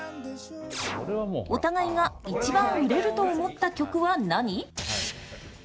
お互いが一番売れると思った曲は何？